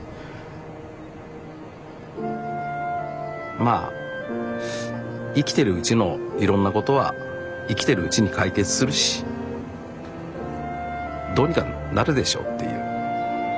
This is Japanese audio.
まあ生きてるうちのいろんなことは生きてるうちに解決するしどうにかなるでしょうっていう。